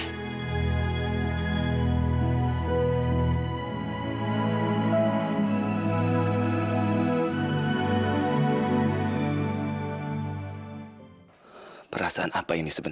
gak kelihatannya kau yang lupa